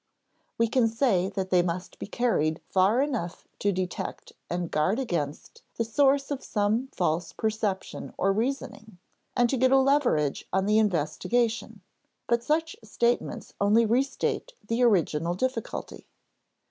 We can say that they must be carried far enough to detect and guard against the source of some false perception or reasoning, and to get a leverage on the investigation; but such statements only restate the original difficulty.